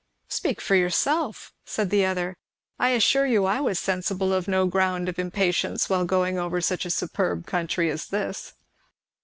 "Speak for yourself," said the other. "I assure you I was sensible of no ground of impatience while going over such a superb country as this."